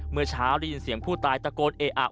เมื่อเช้าได้ยินเสียงผู้ตายตะโกนเออะ